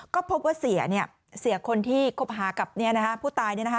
ก็พบว่าเสียเนี่ยเสียคนที่คบหากับผู้ตายเนี่ยนะฮะ